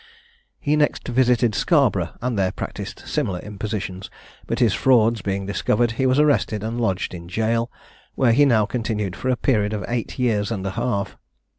He next visited Scarborough, and there practised similar impositions; but his frauds being discovered, he was arrested and lodged in jail, where he now continued for a period of eight years and a half.